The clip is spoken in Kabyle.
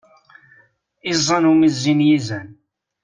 Iẓẓan umi i zzin yizan.